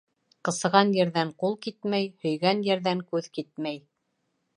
Ҡысыған ерҙән ҡул китмәй, һөйгән йәрҙән күҙ китмәй.